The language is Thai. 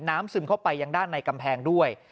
ซึมเข้าไปยังด้านในกำแพงด้วย